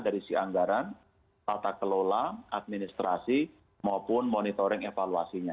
dari si anggaran tata kelola administrasi maupun monitoring evaluasinya